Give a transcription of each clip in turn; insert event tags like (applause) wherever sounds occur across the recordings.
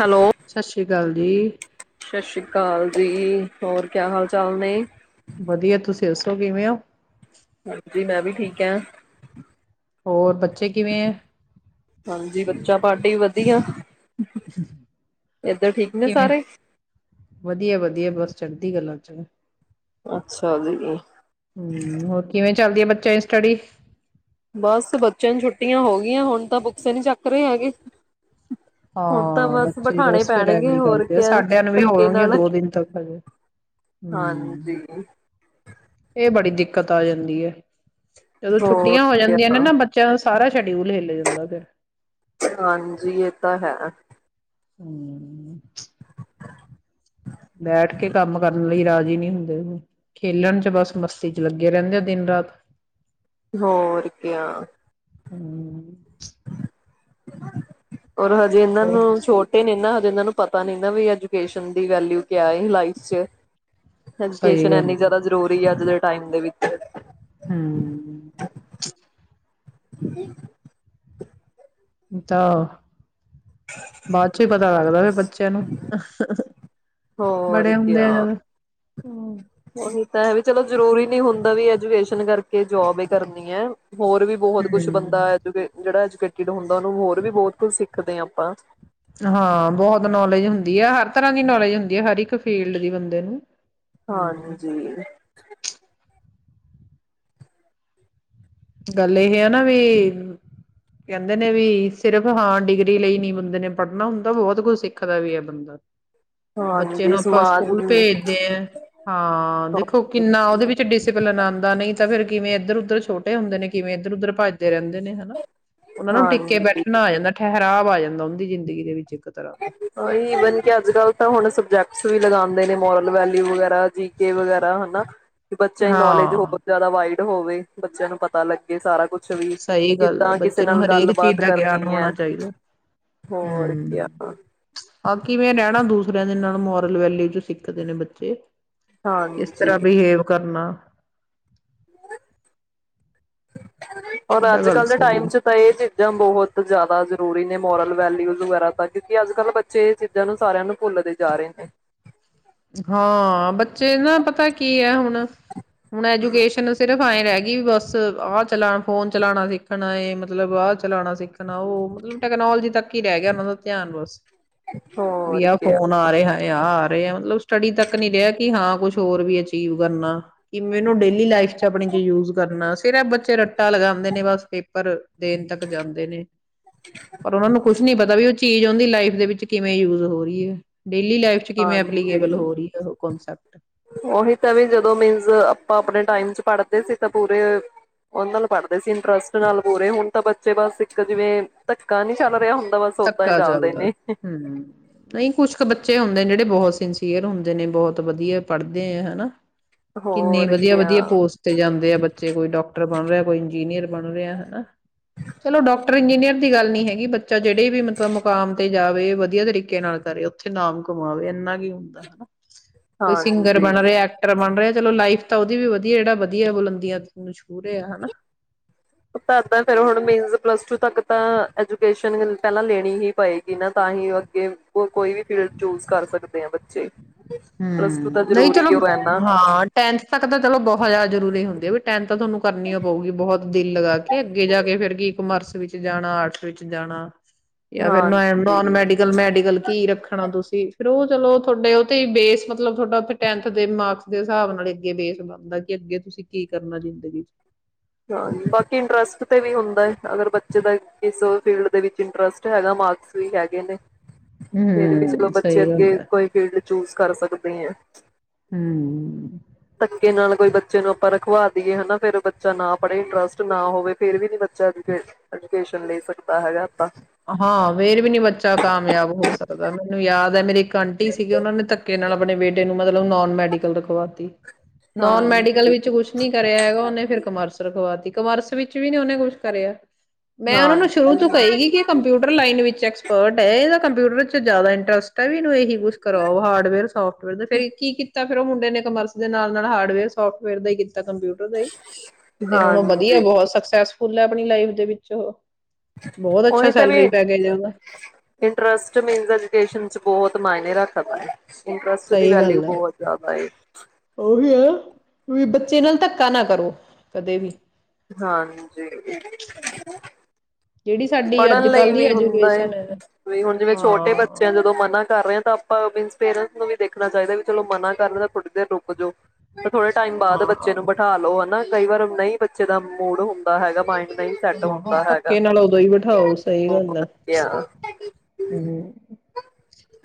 Hello ਗੱਲ ਜੀ। ਸਤਿ ਸ੍ਰੀ ਅਕਾਲ ਜੀ, ਹੋਰ ਕਿਆ ਹਾਲ ਚਾਲ ਨੇ ਵਧੀਆ, ਤੁਸੀਂ ਦੱਸੋ ਕਿਵੇਂ ਹੋ? ਹਾਂਜੀ, ਮੈਂ ਵੀ ਠੀਕ ਆ। ਹੋਰ ਬੱਚੇ ਕਿਵੇਂ ਹੈ? ਹਾਂਜੀ, ਬੱਚਾ ਪਾਰਟੀ ਵਧੀਆ। ਇੱਧਰ ਠੀਕ ਨੇ ਕਿਵੇਂ ਸਾਰੇ ਵਧੀਆ ਵਧੀਆ ਬਸ ਚੜ੍ਹਦੀ ਗੱਲਾਂ 'ਚ ਅੱਛਾ ਜੀ ਹੂੰ ਹੋਰ ਕਿਵੇਂ ਚੱਲਦੀ ਹੈ, ਬੱਚ ਕੇ ਸਟੱਡੀ ਬਸ ਬੱਚਿਆਂ ਨੂੰ ਛੁੱਟੀਆਂ ਹੋ ਗਈਆਂ, ਹੁਣ ਤਾਂ ਬੁੱਕਸ ਨਹੀਂ ਚੱਕ ਰਹੇ ਹੈਗੇ। ਹੁਣ ਤਾਂ ਹਾਂ, ਬਸ ਬੱਚੇ ਬਿਠਾਣੇ ਬਸ ਫਿਰ ਪੈਣਗੇ ਐਵੇਂ ਹੋਰ ਕਰਦੇ ਆ, ਕਿਆ ਸਾਡਿਆਂ ਨੂੰ ਵੀ ਧੱਕੇ ਹੋਣਗੀਆਂ ਨਾਲ ਦੋ ਦਿਨ ਤੱਕ ਹਜੇ ਹੂੰ ਹਾਂਜੀ ਇਹ ਬੜੀ ਦਿੱਕਤ ਦਿੱਕਤ ਆ ਜਾਂਦੀ ਐ। ਜਦੋਂ ਹੋਰ ਛੁੱਟੀਆਂ ਹੋ ਕਿਆ ਜਾਂਦੀਆਂ ਨੇ ਨਾ ਬੱਚਿਆਂ ਦਾ ਸਾਰਾ ਸ਼ਡਿਊਲ ਹੇਲ ਜਾਂਦਾ ਫੇਰ ਹਾਂਜੀ ਇਹ ਤਾਂ ਹੈ। ਹੂੰ ਬੈਠ ਕੇ ਕੰਮ ਕਰਨ ਲਈ ਰਾਜ਼ੀ ਨਹੀਂ ਹੁੰਦੇ ਉਹਦੇ ਖੇਲਣ 'ਚ ਬਸ ਮਸਤੀ 'ਚ ਲੱਗੇ ਰਹਿੰਦੇ ਆ ਦਿਨ ਰਾਤ ਹੋਰ ਕਿਆਂ ਹੂੰ (inaudible) ਔਰ ਹਜੇ ਇਹਨਾਂ ਹੋਰ ਨੂੰ ਦੱਸੋ? ਛੋਟੇ ਨੇ ਇਹ ਨਾ ਜਿਨਾਂ ਨੂੰ ਪਤਾ ਨੀ ਨਾ ਵੀ ਐਜੂਕੇਸ਼ਨ ਦੀ ਵੈਲਿਊ ਕਿਆ ਲਾਈਫ 'ਚ ਸਹੀ ਐਜੂਕੇਸ਼ਨ ਗੱਲ ਇੰਨੀ ਹੈ ਜ਼ਿਆਦਾ ਜ਼ਰੂਰੀ ਹੈ ਅੱਜ ਦੇ ਟਾਈਮ ਦੇ ਵਿੱਚ (inaudible) ਹੂੰ (inaudible) (inaudible) ਤਾਂ ਬਾਅਦ 'ਚ ਹੀ ਪਤਾ ਲੱਗਦਾ ਵੀ ਬੱਚਿਆਂ ਨੂੰ (inaudible) ਹੋਰ ਕਿਆ ਹੂੰ ਉਹੀ ਤਾਂ ਵੀ ਚਲੋ ਜਰੂਰੀ ਨੀ ਹੁੰਦਾ ਵੀ ਐਜੂਕੇਸ਼ਨ ਕਰਕੇ ਜੋਬ ਇ ਕਰਨੀ ਏ। ਹੋਰ ਵੀ ਬਹੁਤ ਕੁਛ ਬੰਦਾ ਐਜੂਕੇ ਜਿਹੜਾ ਐਜੂਕੇਟ ਜਦੋ ਹੁੰਦਾ ਉਹਨੂੰ ਹੋਰ ਵੀ ਬਹੁਤ ਕੁੱਝ ਸਿੱਖਦੇ ਹਾਂ ਆਪਾਂ ਹਾਂ ਬਹੁਤ ਨੌਲੇਜ ਹੁੰਦੀ ਹੈ, ਹਰ ਤਰ੍ਹਾਂ ਦੀ ਨੌਲੇਜ ਹੁੰਦੀ ਹੈ, ਹਰ ਇੱਕ ਫੀਲਡ ਦੀ ਬੰਦੇ ਨੂੰ ਹਮ ਹਾਂਜੀ (inaudible) ਗੱਲ ਇਹ ਆ ਨਾ ਵੀ ਕਹਿੰਦੇ ਨੇ ਵੀ ਸਿਰਫ਼ ਹਾਂ ਡਿਗਰੀ ਲਈ ਨੀ ਬੰਦੇ ਨੇ ਪੜ੍ਹਨਾ ਹੁੰਦਾ ਬਹੁਤ ਕੁਝ ਸਿੱਖਦਾ ਵੀ ਹੈ ਬੰਦਾ ਬੱਚੇ ਹਾਂਜੀ ਨੂੰ ਆਪਾਂ ਸਮਾਜ ਸਕੂਲ ਭੇਜਦੇ ਹ ਹਾਂ ਦੇਖੋ ਕਿੰਨਾ ਉਹਦੇ ਵਿੱਚ ਡਿਸਪਲਿਨ ਆਉਂਦਾ ਨਹੀਂ ਤਾਂ ਫਿਰ ਕਿਵੇ ਇੱਧਰ ਉੱਧਰ ਛੋੇ ਹਦੇ ਨੇ ਕਿਵੇਂ ਇਧਰ ਉਧਰ ਭੱਜਦੇ ਰਿੰਦੇ ਦੇ ਨੇ ਹਨਾ ਉਹਨਾ ਨੂੰ ਟਿੱਕੇ ਹਾਂਜੀ ਬੈਠਣਾ ਆ ਜਾਂਦਾ ਠਹਿ ਠਰਾਵ ਆ ਜਾਂਦਾ ਉਹਦੀ ਜ਼ਿੰਦਗੀ ਦੇ ਵਿੱਚ ਤਰ੍ਹਾਂ (inaudible) ਦਾ ਹੀ ਈਵਨ ਕਿ ਅੱਜ ਕੱਲ੍ਹ ਤਾਂ ਹੁਣ ਸਬਜੈਕਟ (unintelligible) ਵੀ ਲਗਾਉਂਦੇ ਨੇ ਮੋਰਲ ਵੈਲਿਊ ਵਗੈਰਾ ਜੀ ਕੇ ਵਗੈਰਾ ਹਨਾ। ਕਿ ਬੱਚਿਆਂ ਦੀ ਨੌਲੇਜ ਹਾਂ ਹੋਰ ਜ਼ਿਆਦਾ ਵਾਈਡ ਹੋਵੇ ਬੱਚਿਆਂ ਨੂੰ ਪਤਾ ਲੱਗੇ ਸਾਰਾ ਕੁੱਛ ਸਹੀ ਗੱਲ ਆ ਬੱਚੇ ਨੂੰ ਹਰੇਕ ਚੀਜ਼ ਦਾ ਗਿਆਨ ਕਰਨੀ ਹੈ ਹੋਣਾ ਚਾਹੀਦਾ ਹੋਰ ਹੂੰ। ਕਿਆ ਹਾਂ ਕਿਵੇੈਂ ਰਹਿਣਾ ਦੂ ਨਾਲ ਮੋਰਲ ਵੈਲ ਹੀ ਤੁਸੀਂ ਇੱਕ ਦਿਨ ਬੱਚੇ ਕਿਸ ਹਾਂਜੀ। ਤਰ੍ਹਾਂ ਬਿਹੇਵ ਕਰਨਾ। (inaudible) ਔਰ ਉਹ ਤਾਂ ਅੱਜ ਗੱਲ ਕੱਲ ਦੇ ਸਹੀ ਟਾਈਮ ਹੈ 'ਚ ਤਾਂ ਇਹ ਚੀਜ਼ਾਂ ਬਹੁਤ ਜਿਆਦਾ ਜ ਜ਼ਰੂਰੀ ਨੇ ਮੋਰਲ ਵੈਲਿਊਜ਼ ਵਗੈਰਾ ਤਾਂ ਕਿਉਂਕਿ ਅੱਜ ਕੱਲ੍ਹ ਬੱਚੇ ਇਹ ਚੀਜ਼ਾਂ ਨੂੰ ਸਾਰਿਆਂ ਨੂੰ ਭੁੱਲਦੇ ਜਾ ਰਹੇ ਨੇ। ਹਾਂ ਬੱਚੇ ਨਾ ਪਤਾ ਕੀ ਹੈ ਹੁਣ ਹੁਣ ਐਜੂਕੇਸ਼ਨ ਸਿਰਫ ਐਏਂ ਰਹਿ ਗਈ ਵੀ ਬਸ ਆਹ ਚਲਾ ਫੋਨ ਚਲਾਉਣਾ ਸਿੱਖਣਾਏ ਮਤਲਬ ਆਹ ਚਲਾਣਾ ਸਿੱਖ ਸੁਣਾਓ ਮਤਲਬ ਟੈਕਨੋਾਲੋਜੀ ਤੱਕ ਕੀ ਰਹਿ ਗਿਆ ਉਹਨਾਂ ਦਾ ਧਿਆਨ ਬਸ ਵੀ ਹੋਰ ਆ ਕਿਆ ਫੋਨ ਆ ਰਿਹਾ ਹਾ ਆਰ ਸਹੀ ਆ ਮਤਲਬ ਸਟੱਡੀ ਤੱਕ ਨਹੀਂ ਰਿਹਾ ਕਿ ਹਾਂ ਕੁਛ ਹੋਰ ਵੀ ਅਚੀਵ ਕਰਨਾ ਕਿ ਮੈਨੂੰ ਡੇਲੀ ਲਾਈਫ ਆਪਣੀ ਚੀਜ ਯੂਜ ਕਰਨਾ ਸਿ ਤੇਰਾ ਬੱਚੇ ਰ ਰੱਟਾ ਲਗਾਦੇ ਨੇ ਬਸ ਪੇਪਰ ਦੇਣ ਤੱਕ ਜਾਂਦੇ ਨੇ ਪਰ ਉਹਨਾ ਨੂੰ ਕੁੱਛ ਨੀ ਪਤਾ ਵੀ ਉਹ ਚੀਜ਼ ਉਹਦੀ ਲਾਈਫ ਦੇ ਵਿੱਚ ਕਿਵੇਂ ਯੂਜ ਹੋ ਰਹੀ ਏ। ਡੇਲੀ ਲਾਈਫ ਚ ਕਿਵੇਂ ਐਪਲੀਕੇ ਹਾਂਜੀ। ਉਹੀ ਤਾਂ ਵੀ ਜਦੋਂ ਮੀਨਸ ਆਪਾਂ ਆਪਣੇ ਟਾਈਮ ਚ ਪੜ੍ਹਦੇ ਸੀ ਤੇ ਪੂਰੇ ਉਹ ਨਾਲ ਪੜ੍ਹਦੇ ਸੀ ਇੰਟਰਸਟ ਨਾਲ ਪੂਰੇ ਹੁਣ ਤਾਂ ਬੱਚੇ ਬਸ ਇੱਕ ਜਿਵੇਂ ਧੱਕਾ ਨੀ ਚੱਲ ਰਿਹਾ ਬਸ ਓਦਾਂ ਹੀ ਧੱਕਾ ਚੱਲਦੇ ਚੱਲਦਾ ਨੇ ਹਮ ਨਹੀਂ ਕੁਛ ਕੁ ਬੱਚੇ ਹੁੰਦੇ ਜਿਹੜੇ ਬਹੁਤ ਸਿੰਸੀਅਰ ਹੁੰਦੇ ਨੇ ਬਹੁਤ ਵਧੀਆ ਪੜ੍ਹਦੇ ਆ ਹਨਾ ਕਿੰਨੀ ਹੋਰ ਵਧੀਆ ਕਿਆ ਵਧੀਆ ਪੋਸਟ ਤੇ ਜਾਂਦੇ ਆ ਬੱਚੇ ਕੋਈ ਡਾਕਟਰ ਬਣ ਰਿਹਾ ਕੋਈ ਇੰਜੀਨੀਅਰ ਬਣ ਰਿਹਾ ਹਨਾ ਚਲੋ ਡਾਕ ਇੰਜੀਨੀਅਰ ਦੀ ਗੱਲ ਨੀ ਹੈਗੀ ਬੱਚ ਜਿਹੜੇ ਵੀ ਮਤਲਬ ਮੁਕਾਮ ਤੇ ਜਾਵੇ ਵਧੀਆ ਤਰੀਕੇ ਨਾਲ ਕਰੇ ਉੱਥੇ ਨਾਮ ਕਮਾਵੇ ਇਨਾ ਕੀ ਹੁੰਦਾ ਕੋਈ ਸਿੰਗਰ ਹਾਂਜੀ ਬਣ ਰਿਹਾ ਐਕਟਰ ਬਣ ਰਿਹਾ ਚਲੋ ਲਾਈਫ ਤਾਂ ਉਹਦੀ ਵੀ ਵਧੀਆ ਜਿਹੜਾ ਵਧੀਆ ਬੁਲੰਦੀਆਂ ਛੂਹ ਰਿ ਆ ਹਨਾ ਓ ਤਾਂ ਐਦਾਂ ਮਿੰਸ ਪਲੱਸ ਟੂ ਤੱਕ ਤਾਂਜੂਕੇਸ਼ਨ ਪਹਿਲਾਂ ਲੈਣੀ ਹੀ ਪਏਗੀ ਨਾ ਤਾਂ ਹੀ ਅੱਗੇ ਕੋਈ ਵੀ ਫੀਲਡ ਚੂਜ ਕਰ ਸਕਦੇ ਆ ਬੱਚੇ ਪਲੱਸ ਟੂ ਹਮ ਤਾਂ ਨਹੀਂ ਜ਼ਰੂਰੀ ਚਲੋ ਓ ਹੈ ਨਾ ਹਾਂ ਟੈਂਥ ਤੱਕ ਤਾਂ ਚਲੋ ਬਹੁਤ ਜ਼ਿਆਦਾ ਜ਼ਰੂਰੀ ਹੁੰਦੇ ਵੀ ਟੈਂਥ ਤਾਂ ਤੁਹਾਨੂੰ ਕਰਨੀ ਪਊਗੀ ਬਹੁਤ ਦਿਲ ਲਗਾ ਕੇ ਅੱਗੇ ਜਾ ਕੇ ਫਿਰ ਕੀ ਇੱਕਮਰਸ ਵਿੱਚ ਜਾਣਾ ਅੱਠ ਵਿੱਚ ਜਾਣਾ ਜਾਂ ਫੇਿਰ ਨ ਨੋਨ ਹਾਂਜੀ ਮੈਡੀਕਲ ਮੈਡੀਕਲ ਕੀ ਰੱਖਣਾ ਤੁਸੀਂ ਫਿਰ ਉਹ ਚਲੋ ਤੁਹਾਡੇ ਤੇ ਬੇਸ ਮਤਲਬ ਥੋਡਾ ਟੈਥ ਦੇ ਮਾਰਕਸ ਦੇ ਹਿਸਾਬ ਨਾਲ ਅੱਗੇ ਬੇਸ ਬਣਦਾ ਕਿ ਅੱਗੇ ਤੁਸੀਂ ਕੀ ਕਰਨਾ ਜ਼ਿੰਦਗੀ ਚ ਹਾਂ ਬਾਕੀ ਇੰਟਰਸਟ ਤੇ ਵੀ ਹੁੰਦਾ ਅਗਰ ਬ ਬੱਚੇ ਦਾ ਕਿਸ ਫੀਲਡ ਦੇ ਵਿੱਚ ਇੰਟਰਸਟ ਹੈਗਾ ਮਾਕਸ ਵੀ ਹੈਗੇ ਨੇ, ਫੀਲਡ ਵਿੱਚ ਹਮ ਜਦੋ ਬੱਚੇ ਸਹੀ ਅੱਗੇ ਗੱਲ ਹੈ ਕੋਈ ਫੀਲਡ ਚੂਜ ਕਰ ਸਕਦੇ ਐਂ ਹਮ ਧੱਕੇ ਨਾਲ ਕੋਈ ਬੱਚੇ ਨੂੰ ਆਪਾਂ ਰਖਵਾ ਦਈਏ ਹਨਾ ਫੇਰ ਬੱਚਾ ਨਾ ਪੜ੍ਹੇ ਇੰਟਰਸਟ ਨਾ ਹੋਵੇ ਫੇਰ ਵੀ ਨੀ ਬੱਚਾ ਅੱਗੇ ਐਜੂਕੇਸ਼ਨ ਲੇ ਸਕਦਾ ਹੈਗਾ। ਆਪਾਂ ਹਾਂ ਫਿਰ ਵੀ ਨੀ ਬੱਚਾ ਕਾਮਯਾਬ ਹੋ ਸਕਦਾ ਮੈਨੂੰ ਯਾਦ ਹੈ, ਮੇਰੀ ਇੱਕ ਆਂਟੀ ਸੀਗੇ ਉਹਨਾਂ ਨੇ ਧੱਕੇ ਨਾਲ ਆਪਣੇ ਬੇਟੇ ਨੂੰ ਮਤਲਬ ਨੋਨ ਮੈਡੀਕਲ ਰਖਵਾਤੀ, ਹਾਂ ਨੋਨ ਮੈਡੀਕਲ ਵਿੱਚ ਕੁਛ ਨੀ ਕਰਿਆ ਹੈਗਾ ਉਹਨੇ ਫਿਰ ਕਾਮਰਸ ਰਖਵਾ ਤੀ ਕਮਰਸ ਵਿੱਚ ਵੀ ਨੀ ਉਹਨੇ ਕੁਛ ਕਰਿਆ। ਮੈਂ ਉਹਨਾਂ ਹਾਂ ਨੂੰ ਸ਼ੁਰੂ ਤੋਂ ਕਹੀ ਗਈ ਕਿ ਕੰਪਿਊਟਰ ਲਾਈਨ ਵਿੱਚ ਐਕਸਪਰਟ ਐ ਇਹਦਾ ਕੰਪਿਊਟਰ ਚ ਜ਼ਿਆਦਾ ਇੰਟਰਸਟ ਵੀ ਇਹਨੂੰ ਇਹੀ ਕੁਛ ਕਰਾਓ ਹਾਰਡਵੇਅਰ ਸੋਫਟਵੇਅਰ ਦਾ ਫਿਰ ਕੀ ਕੀ ਤਾਂ ਫਿਰ ਉਹ ਮੁੰਡੇ ਨੇ ਕਮਰਸ ਦੇ ਨਾਲ ਹਾਰਡਵੇਅਰ ਸੋਫਟਵੇਅਰ ਦਾ ਹੀ ਕੀ ਕੀਤਾ ਕੰਪਿਊਟਰ ਦਾ ਈ ਤੇ ਹੁਣ ਉਹ ਵਧੀਆ ਹਾਂਜੀ ਗਾ ਉਹ ਸਕਸੈਸ ਫੁੱਲ ਆਪਣੀ ਲਾਈਫ ਦੇ ਵਿੱਚ ਉਹੋ ਬਹੁਤ ਅੱ ਤਾ ਵੀ ਇੰਟਰਸਟ (unintelligible) ਚ ਬਹੁਤ, ਮਾਇਨੇ ਰੱਖਤਾ, ਇੰਟਰਸਟ ਦੀ ਸਹੀ ਵੈਲਿਊ ਗੱਲ ਹੈ ਬਹੁਤ ਜ਼ਿਆਦਾ ਏ, ਉਹੀ ਹੈ ਬੱਚੇ ਨਾਲ ਧੱਕਾ ਨਾ ਕਰੋ ਕਦੇ ਵੀ, ਹਾਂਜੀ, ਜਿਹੜੀ ਸਾਡੀ ਅੱਜ ਪੜ੍ਹਨ ਲਈ ਕੱਲ ਦੀ ਵੀ ਹੁੰਦਾ ਏ ਐਜੂਕੇਸ਼ਨ ਹੈ ਵੀ ਹੁਣ ਜਿਵੇਂ ਛੋਟੇ ਹਾਂ ਬੱਚੇ ਆ ਜਦੋਂ ਮਨਾ ਕਰ ਰਹੇ ਹਾਂ ਤਾਂ ਆਪਾਂ ਮੀਨਜ ਪੇਰੈਂਟਸ ਨੂੰ ਵੀ ਦੇਖਣਾ ਚਾਹੀਦਾ ਵੀ ਚਲੋ ਮਨਾ ਕਰ ਰਿਹਾ ਤਾਂ ਥੋੜ੍ਹੀ ਦੇਰ ਰੁਕ ਜਾਓ। ਥੋੜੇ ਟਾਈਮ ਬਾਅਦ ਹਾਂ ਬੱਚੇ ਨੂੰ ਬਿਠਾ ਲੋ ਹਨਾ। ਕਈ ਵਾਰ ਨਹੀਂ ਬੱਚੇ ਦਾ ਮੂਡ ਹੁੰਦਾ ਹੈਗਾ ਮਾਇੰਡ ਨਹੀਂ ਸੈੱਟ ਹਾਂ ਹਾਂ ਹੁੰਦਾ ਹੈਗਾ। ਧੱਕੇ ਨਾਲ ਉਦੋਂ ਵੀ ਹ ਸਹੀ ਗੱਲ ਆ ਹਮ,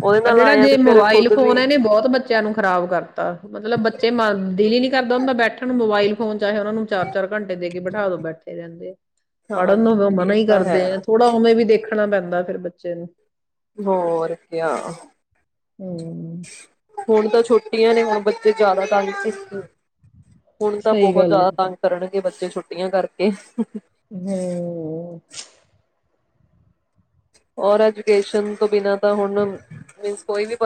ਉਹਦੇ ਪਰ ਨਾਲ ਜਿਹੜਾ ਆਏ ਆ ਜੇ ਵੀ ਫੇਰ ਮੋਬਾਇਲ ਖੁਦ ਵੀ ਫੋਨ ਨੇ ਬਹੁਤ ਬੱਚਿਆਂ ਨੂੰ ਖ਼ਰਾਬ ਕਰਤਾ ਮਤਲਬ ਬੱਚੇ ਮ ਦਿਲ ਹੀ ਨੀ ਕਰਦਾ ਉਹਦਾ ਬੈਠਣ ਨੂੰ ਮੋਬਾਇਲ ਫੋਨ ਚਾਹੇ ਉਹ ਨੂੰ ਚਾਰ ਚਾਰ ਘੰਟੇ ਦੇ ਕੇ ਬਿਠਾ ਦੋ ਬੈਠੇ ਰਹਿੰਦੇ ਆ ਪੜ੍ਹਨ ਨੂੰ ਹਾਂਜੀ ਮਨਾ ਇਹ ਹੀ ਤਾਂ ਹੈ। ਕਰਦੇ ਥੋੜ੍ਹਾ ਉਵੇ ਵੀ ਦੇਖ ਰੱਖਣਾ ਪੈਂਦਾ ਫੇਿਰ ਬੱਚੇ ਨੂੰ, ਹੋਰ, ਹਮ ਹੁਣ ਤਾਂ ਛੋਟੀ ੁਟੀਆਂ ਨੇ ਹੁਣ ਬੱਚੇ ਜ਼ਿਆਦਾ ਤ ਸਖੇ ਹੁਣ ਤਾਂ ਸਹੀ ਬਹੁਤ ਗੱਲ ਜ਼ਿਆਦਾ ਹੈ। ਤੰਗ ਕਰਨਗੇ ਬੱਚੇ ਛੁੱਟੀਆਂ ਕਰਕੇ ਹਮ ਤੋਂ ਬਿ ਹੁ ਕੋਈ ਵੀ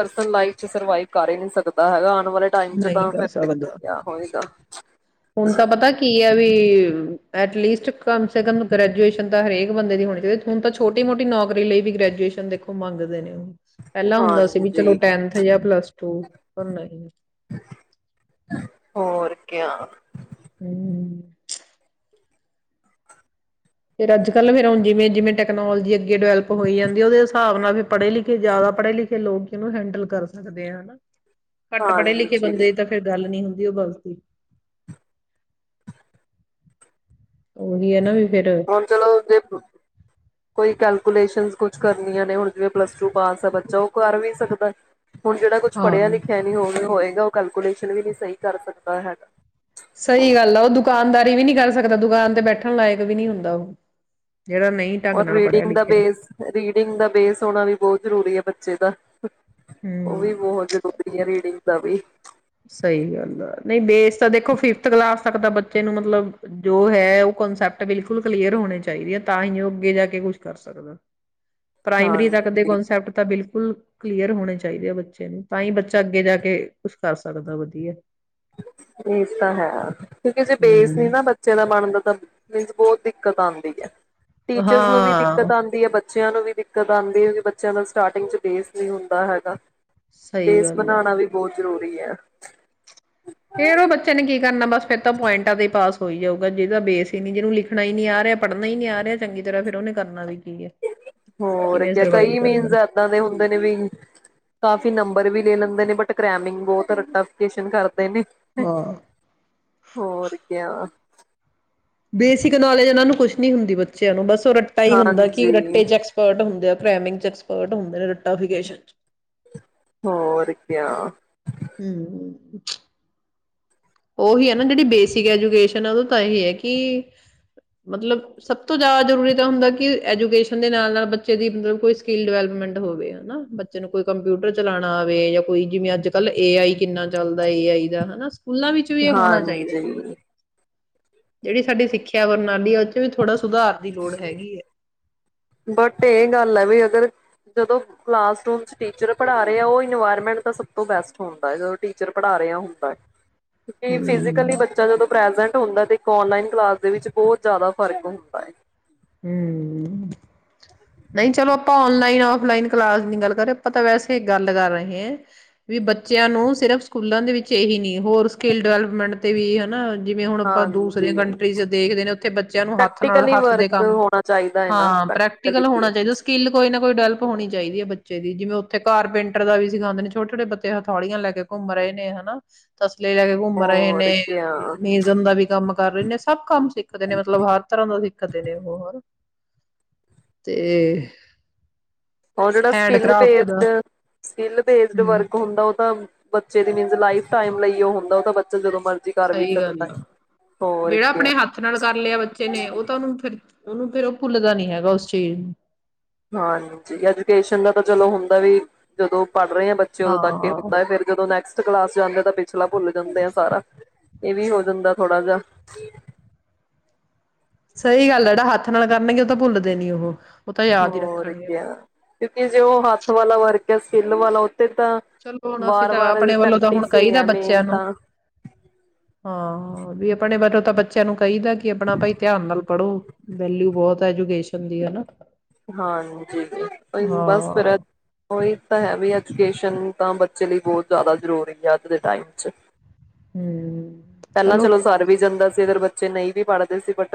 ਸਰਵਾਵ ਕਰ ਹੀ ਨ ਸਕਦਾ ਹੈ ਵਾਲੇ ਟਾਈਮ ਚ ਨਹੀਂ ਤਾਂ ਕਰ ਫਿਰ ਸਕਦਾ ਕ ਹੋਏਗਾ ਹੁਣ ਤਾਂ ਪਤਾ ਕੀ ਹੈ ਵੀ ਵੀ ਐਟਲੀਸਟ ਕਮ ਸੇ ਕਮ ਗ੍ਰੈਜੂਏਸ਼ਨ ਤਾਂ ਹਰੇਕ ਬੰਦੇ ਦੀ ਹੋਣੀ ਚਾਹੀਦੀ ਹੁਣ ਤਾਂ ਛੋਟੀ ਮੋਟੀ ਨੌਕਰੀ ਲਈ ਵੀ ਗ੍ਰੈਜੂਏਸ਼ਨ ਦੇਖੋ ਮੰਗਦੇ ਨੇ ਪਹਿਲਾਂ ਹੁੰਦਾ ਸੀ ਵੀ ਚਲੋ ਹਾਂਜੀ ਟੈਨਥ ਜਾਂ ਪਲੱਸ ਟੂ ਪਰ ਨਹੀਂ ਕਿ ਹਮ ਫੇ ਅੱਜ ਕੱਲ ਫਿਰ ਹੁ ਜਿਵੇਂ ਜਿਵੇਂ ਟੈਕਨੋਜੀਗੇ ਡਿਵੈਲਪ ਹੋ ਜਾਂਦੀ ਉਹਦੇ ਹਿਸਾਬ ਨਾਲ ਵੀ ਪੜ੍ਹੇ ਲਿਖੇ ਜ਼ਿਆਦਾ ਪੜ੍ਹੇ ਲਿਖੇ ਲੋਕ ਇਹਨੂੰ ਹੈਂਡਲ ਕਰ ਸਕਦੇ ਆ ਹਨਾ ਘੱਟ ਪੜ੍ਹੇ ਲਿਖੇ ਹਾਂਜੀ ਬੰਦੇ ਤਾਂ ਫੇਿਰ ਗੱਲ ਨਹੀਂੀ ਹੁੰਦੀ ਵਧੀਓ ਬਲਤੀ ਹਰ ਚਲੋਦੇ ਕੋਈ ਕੈਲਕੂਲੇਸ਼ਨ ਕੋ ਕੁ ਕਰਨੀਆਂ ਨੇ ਹੁਣ ਜਿਵੇਂ ਪਲੱਸ ਟੂ ਪਾਸ ਹੈ ਬੱਚਾ ਉਹ ਕਰ ਵੀ ਸਕਦਾ ਹੁਣ ਜਿਹੜਾ ਕੁਛ ਪੜ੍ਹਿਆ ਹਾਂ ਲਿਖਿਆ ਨੀ ਹੋਵੇ ਹੋਏ ਉਹ ਕੈਲਕੂਲੇਸ਼ਨ ਵੀ ਨਹੀਂ ਸਹੀ ਕਰ ਸਕਦਾ ਹੈ ਸਹੀ ਗੱਲ ਆ ਉਹ ਦੁਕਾਨਦਾਰੀ ਵੀ ਨੀ ਕਰ ਸਕਦਾ ਦੁਕਾਨ ਤੇ ਬੈਠਣ ਲਾਇਕ ਵੀ ਨਹੀਂ ਹੁੰਦਾ ਉਹ ਜਿਹੜਾ ਨਹੀਂ ਢੰਗ ਔਰ ਨਾਲ ਪੜ੍ਹਿਆ ਰੀਡਿੰਗ ਦਾ ਲਿਖਿਆ ਬੇਸ ਰੀਡਿੰਗ ਦਾ ਬੇਸ ਹੋਣਾ ਵੀ ਬਹੁਤ ਜ਼ਰੂਰੀ ਹੈ ਬੱਚੇ ਦਾ ਉਹ ਵੀ ਹੂੰ ਬਹੁਤ ਜ਼ਰੂਰੀ ਹੈ ਰੀਡਿੰਗ ਦਾ ਵੀ ਸਹੀ ਗੱਲ ਆ ਨਹੀਂ ਬੇਸ ਤਾਂ ਦੇਖੋ ਫਿਫਥ ਕਲਾਸ ਤੱਕ ਤਾਂ ਬੱਚੇ ਨੂੰ ਮਤਲਬ ਜੋ ਹੈ ਉਹ ਕਨਸੈਪਟ ਬਿਲਕੁਲ ਕਲੀਅਰ ਹੋਣੇ ਚਾਹੀਦੇ ਆ ਤਾਂ ਹੀ ਉਹ ਅੱਗੇ ਜਾ ਕੇ ਕੁਛ ਕਰ ਸਕਦਾ ਪ੍ਰਾਇਮਰੀ ਤੱਕ ਦੇ ਹਾਂਜੀ ਕਸੈਪਟ ਤਾਂ ਬਿਲਕੁਲ ਕਲੀਅਰ ਹੋਣੇ ਚਾਹੀਦੇ ਆ ਬ (unintelligible) ਬੇ ਨੇ ਤਾਂ ਹੀ ਬੱਚਾ ਅੱਗੇ ਜਾ ਕੇ ਕਰ ਸਕਦਾ ਵਧੀਆ ਇਹ ਤਾਂ ਹੈ ਕਿਉਂਕਿ ਜੇ ਬੇਸ ਨੀ ਹੂੰ ਨਾ ਬੱਚੇ ਦਾ ਬਣ ਦਾ ਤਾਂ ਮੀਨਸ ਬਹੁਤ ਦਿ ਦਿੱਕਤ ਆਉਂਦੀ ਐ ਟੀਚਰਸ ਨੂੰ ਵੀ ਹਾਂ ਦਿੱਕਤ ਆਉਂਦੀ ਹੈ ਬੱਚਿਆਂ ਨੂੰ ਵੀ ਦਿੱਕਤ ਆਉਂਦੀ ਹੋਗੀ ਬੱਚਿਆਂ ਦਾ ਸਟਾਰਟਿੰਗ ਚ ਬੇਸ ਨਹੀਂ ਹੁੰਦਾ ਹੈਗਾ ਸਹੀ ਬੇਸ ਗੱਲ ਹੈ ਬਣਾਉਣਾ ਵੀ ਬਹੁਤ ਜ਼ਰੂਰੀ ਸਹੀ ਆ ਫੇਰ ਉਹ ਬੱਚੇ ਨੇ ਕੀ ਕਰਨਾ ਬਸ ਫੇਰ ਤਾਂ ਪੁਆਇੰਟਾਂ ਤੇ ਈ‌ ਪਾਸ ਹੋ ਹੀ ਜਾਊਗਾ ਜਿਹਦਾ ਬੇਸ ਹੀ ਨਹੀਂ ਜਿਹਨੂੰ ਲਿਖਣਾ ਨੀ ਆ ਰਿਹਾ ਪੜ੍ਹਨਾ ਹੀ ਨੀ ਆ ਰਿਹਾ ਚੰਗੀ ਤਰ੍ਹਾਂ ਫਿਰ‌ ਉਹਨੇ ਕਰਨਾ ਵੀ ਕੀ ਹੈ ਹੋਰ ਕਿਵੇਂ ਸਰਵਾਈਵ ਕਈ ਕਰਨਾ ਮੀਨਸ ਏਦਾਂ ਦੇ ਹੁੰਦੇ ਨੇ ਵੀ ਕਾਫੀ ਨੰਬਰ ਵੀ ਲੈ ਲੈਂਦੇ ਨੇ ਬਟ ਸਕਰੈਮਿੰਗ ਬਹੁਤ ਏ ਰਟਾ ਫਿਕੇਸਨ ਕਰ ਹੂੰਦੇ ਨੇ ਹਾਂ ਹੋਰ ਕੀਆ ਬੇਸਿਕ ਨੌਲੇਜ ਇਹਨਾਂ ਨੂੰ ਕੁਛ ਨੀ ਹੁੰਦੀ ਬੱਚਿਆਂ ਨੂੰ ਬਸ ਰੱਟਾ ਹੀ ਹੁੰਦਾ ਕਿ ਹਾਂਜੀ ਰਟੇ ਚ ਐਕਸਪਰਟ ਹੁੰਦੇ ਆ ਸਕਰੈਮਿੰਗ ਚ ਐਕਸਪਰਟ ਹੁੰਦੇ ਨੇ ਰਟਾਫਿਕੈਸਨ ਹੋਰ ਕਿਆ ਹਮ ਓਹੀ ਏ ਨਾ ਜਿਹੜੀ ਬੇਸਿਕ ਐਜੂਕੇਸ਼ਨ ਹੈ ਉਹ ਤਾਂ ਐ ਹੀ ਹੈ ਕਿ ਮਤਲਬ ਸਬ ਤੋਂ ਜਿਆਦਾ ਜਰੂਰੀ ਹੁੰਦਾ ਕਿ ਐਜੂਕੇਸ਼ਨ ਦੇ ਨਾਲ ਨਾਲ ਬਚੇ ਦੀ ਸਕਿਲ ਡਿਵੈਲਪਮੈਂਟ ਹੋਵੇ ਹੈਨਾ ਬੱਚੇ ਨੂੰ ਕੋਈ ਕੰਪਿਊਟਰ ਚਲਾਣਾ ਆਵੇ ਕੋਈ ਯਾ ਜਿਵੇ ਅੱਜ ਕਲ ਏ ਆਈ ਕਿਨਾ ਚਲਦਾ ਏ ਆਈ ਦਾ ਸਕੂਲਾਂ ਵਿੱਚ ਵੀ ਇਹ ਹੋਣਾ ਚਾਹੀਦਾ ਹਾਂਜੀ ਜਿਹੜੀ ਸਾਡੀ ਸਿੱਖਿਆ ਪ੍ਰਣਾਲੀ ਆ ਉਹ ਚ ਵੀ ਥੋੜਾ ਸੁਧਾਰ ਦੀ ਲੋੜ ਹੈਗੀ ਏ ਬਟ ਇਹ ਗੱਲ ਏ ਵ ਅਗਰ ਜਦੋਂ ਕਲਾਸਰੂਮ 'ਚ ਟੀਚਰ ਪੜ੍ਹਾ ਰਿਹਾ ਉਹ ਇਨਵਾਇਰਮੈਂਟ ਦਾ ਸਭ ਤੋਂ ਬੈਸਟ ਹੁੰਦਾ ਹੈ ਜਦੋਂ ਟੀਚਰ ਪੜ੍ਹਾ ਰਿਹਾ ਹੁੰਦਾ ਹੈ (unintelligible) ਫਿਜ਼ਕਲੀ ਹੂੰ ਬੱਚਾ ਜਦੋਂ ਪ੍ਰੈਜੈਂਟ (unintelligible) ਹੁੰਦਾ ਤੇ ਇੱਕ ਊਨਲਾਈਨ ਕਲਾਸ ਦੇ ਵਿੱਚ ਬਹੁਤ ਜਿਆਦਾ ਫ਼ਰਕ ਹੁੰਦਾ ਹੈ ਹਮ ਨਹੀਂ ਚਲੋ ਆਪਾਂ ਆਨਲਾਈਨ ਆਫਲਾਈਨ ਕਲਾਸ ਦੀ ਗੱਲ ਨਹੀਂ ਕਰ ਰਹੇ ਆਪਾਂ ਤਾਂ ਵੈਸੇ ਗੱਲ ਕਰ ਰਹੇ ਹ ਵੀ ਬੱਚਿਆਂ ਨੂੰ ਸਿਰਫ਼ ਸਕੂਲਾਂ ਦੇ ਵਿੱਚ ਇਹੀ ਨੀ ਹੋਰ ਸਕਿੱਲ ਡਿਵੈਲਪਮੈਂਟ ਤੇ ਵੀ ਹਨਾ ਜਿਵੇਂ ਹੁਣ ਆਪਾਂ ਦੂਸਰੀਆਂ ਹਾਂਜੀ ਕੰਟਰੀਜ਼ ਦੇਖਦੇ ਨੇ ਉੱਥੇ ਬੱਚਿਆਂ ਨੂੰ ਹੱਥ ਨਾਲ ਪ੍ਰੈਕਟੀਕਲੀ ਹੱਥ ਦੇਖ ਵਰਕ ਹੋਣਾ ਚਾਹੀਦਾ ਹੈ ਨਾ ਹਾਂ ਪ੍ਰੈਕਟੀਕਲ ਪ੍ਰੈਕਟੀਕਲੀ ਹੋਣਾ ਚਾਹੀਦਾ ਸਕਿੱਲ ਕੋਈ ਕੋਈ ਨਾ ਕੋਈ ਡਵੈਲਪ ਹੋਣੀ ਚਾਹੀਦੀ ਹੈ ਬੱਚੇ ਦੀ ਜਿਵੇਂ ਉੱਥੇ ਕਾਰਪੈਂਟਰ ਦਾ ਵੀ ਸਿਾਉਂਦੇ ਨੇ ਛੋਟੇ ਛੋਟੇ ਬੱਚੇ ਹਥੌਲੀਆਂ ਲੈ ਕੇ ਘੁੰਮ ਰਹੇ ਨੇ ਹਨਾ ਤਾਂ ਪਲੇ ਲੈ ਕੇ ਘੁੰਮ ਰਹੇ ਹੋਰ ਨੇ ਕਿਆ ਮਿਜ਼ਨ ਦਾ ਵੀ ਕੰਮ ਕਰ ਰਹੇ ਨੇ ਸਭ ਕੰਮ ਸਿੱਖਦੇ ਨੇ ਮਤਲਬ ਹਰ ਤਰ੍ਹਾਂ ਦਾ ਸਿੱਖ ਦੇ ਨੇ ਹੋਰ ਤੇ ਹਰ ਜਿਹੜਾ ਸਕਿਲ ਹੈਂਡਕ੍ਰਾਫਟ ਦਾ ਬੇਸਟ ਸਕਿਲ ਬੇਸਟ ਹੂੰ ਵਰਕ ਹੁੰਦਾ ਉਹ ਤਾਂ ਬੱਚੇ ਦੀ ਮੀਨਸ ਲਫ ਟਾਈਮ ਲਈ ਉਹ ਹੁੰਦਾ ਉਹ ਤਾਂ ਬੱਚਾ ਜਦੋਂ ਮਰ ਸਹੀ ਗੱਲ ਆ ਜਿਹੜਾ ਕਿਆ ਆਪਣੇ ਹੱਥ ਨਾਲ ਕਰ ਲਿਆ ਬੱਚੇ ਨੇ ਉਹ ਤਾਂ ਉਹਨੂੰ ਫਿਰ ਉਹਨੂੰ ਫਿਰ ਉਹ ਭੁੱਲਦਾ ਨੀ ਹੈਗਾ ਉਸ ਚੀਜ਼ ਨੂੰ ਹਾਂਜੀ ਐਜੂਕੇਸ਼ਨ ਦਾ ਤਾਂ ਚਲੋ ਹੁੰਦਾ ਵੀ ਜਦੋਂ ਪੜ੍ਹ ਰਹੇ ਆ ਬੱਚੇ ਉਦੋਂ ਤੱਕ ਇਹ ਹਾਂ ਹੁੰਦਾ ਫਿਰ ਜਦੋਂ ਨੈਕਟ ਕਲਾਸ ਜਾਂਦੇ ਤਾਂ ਪਿਛਲਾ ਭੁੱਲ ਜਾਂਦੇ ਆ ਸਾਰਾ ਇਹ ਵੀ ਹੋ ਜਾਂਦਾ ਥੋੜਾ ਜਾਂ ਸਹੀ ਗੱਲ ਜਿਹੜਾ ਹੱਥ ਨਾਲ ਕਰਨਗੇ ਉਹ ਤਾਂ ਭੁੱਲਦੇ ਨੀ ਉਹ ਉਹ ਤਾਂ ਯਾਦ ਹੀ ਹੋਰ ਰੱਖਣਗੇ ਫਿਰ ਕਿਆ ਕਿਉਂਕਿ ਜੇ ਉਹ ਹੱਥ ਵਾਲਾ ਵਰ ਸਕਿਲ ਵਾਲਾ ਤਾਂ ਚਲੋ ਹੁਣ ਅਸੀਂ ਵਾਰ ਤਾਂ ਵਾਰ ਆਪਣੇ ਵੱਲੋਂ ਤਾਂ ਹੁਣ ਪ੍ਰੈਕਟਿਸ ਹੀ ਕਹੀਦਾ ਹੈ ਬੱਚਿਆਂ ਮੇਨ ਨੂੰ ਤਾਂ ਹਾਂ ਵੀ ਆਪਣੇ ਬਰੋ ਤਾਂ ਬੱਚਿਆਂ ਨੂੰ ਚਾਹੀਦਾ ਕਿ ਆਪਣਾ ਭਾਈ ਧਿਆਨ ਨਾਲ ਪੜ੍ਹੋ ਵੈਲਿਊ ਬਹੁਤ ਐਜੂਕੇਸ਼ਨ ਦੀ ਹਨਾ ਹਾਂਜੀ ਜ ਬਸ ਫਿਰ ਹਾਂ ਉਹੀ ਤਾਂ ਹੈ ਵੀ ਐਜੂਕੇਸ਼ਨ ਤਾਂ ਬੱਚੇ ਲਈ ਬਹੁਤ ਜ਼ਿਆਦਾ ਜ਼ਰੂਰੀ ਹੈ ਅੱਜ ਦੇ ਟਾਈਮ ' ਹਮ ਪਹਿਲਾਂ ਚਲੋ ਸਰ ਵੀ ਜਾਂਦਾ ਸੀ ਇਧਰ ਬਾ ਚੇਨਈ ਵੀ ਪੜ੍ਹਦੇ ਸੀ ਪਰ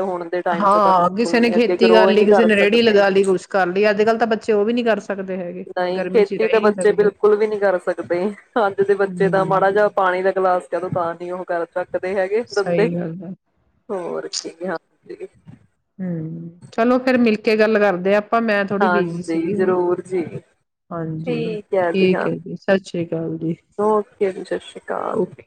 ਹਾਂ ਕਿਸੇ ਨੇ ਖੇਤੀ ਗਰੋ ਕਰ ਹੀ ਲਈ ਨਹੀਂ ਕਿਸੇ ਨੇ ਰੇਹੜੀ ਸਕਦੇ। ਲਗਾ ਲਈ ਕੁੱਛ ਕਰ ਲਈ ਅੱਜ ਕੱਲ ਤਾਂ ਬੱਚੇ ਉਹ ਵੀ ਨੀ ਕਰ ਸਕ ਨਹੀਂ ਖੇਤੀ ਤਾਂ ਬੱਚੇ ਬਿਲਕੁਲ ਵੀ ਨਹੀਂੀ ਕਰ ਸਕਦੇ ਅੱਜ ਦੇ ਬੱਚੇ ਤਾਂ ਮਾੜਾ ਜਿਹਾ ਹਮ ਪਾਣੀ ਦਾ ਗਿਲਾਸ ਕਦੋ ਤਾਂ ਨਹੀਂੀ ਉਹ ਕਰ ਤ ਦੇ ਹੈਗੇ ਦੰਦੇ ਸਹੀ ਗੱਲ ਹੈ ਹੋਰ ਠੀਕ ਹਾਂ ਹਮ ਚਲੋ ਫੇਰ ਮਿਲਕੇ ਗੱਲ ਕਰਦੇ ਆ ਹਾਂਜੀ ਜ਼ਰੂਰ ਜੀ ਹਾਂਜੀ ਠੀਕ ਹੈ ਜੀ ਠੀਕ ਹਾਂ ਸਤਿ ਸ੍ਰੀ ਅਕਾਲ ਜੀ ਓਕੇ ਜੀ ਸਤਿ ਸ਼੍ਰੀ ਅਕਾਲ ਓਕੇ